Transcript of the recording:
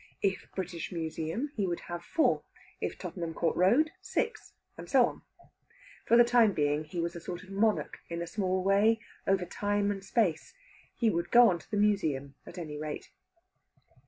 If British Museum he would have four. If Tottenham Court Road, six and so on. For the time being he was a sort of monarch, in a small way, over Time and Space. He would go on to the Museum, at any rate.